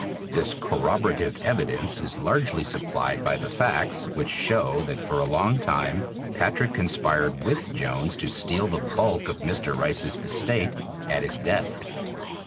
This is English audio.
This corroborative evidence is largely supplied by the facts which show that for a long time Patrick conspired with Jones to steal the bulk of Mr. Rice's estate at his death.